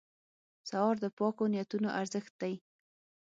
سهار د پاکو نیتونو ارزښت دی.